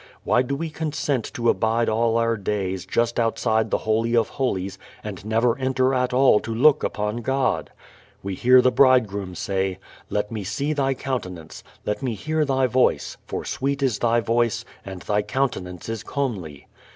Why do we consent to abide all our days just outside the Holy of Holies and never enter at all to look upon God? We hear the Bridegroom say, "Let me see thy countenance, let me hear thy voice; for sweet is thy voice and thy countenance is comely."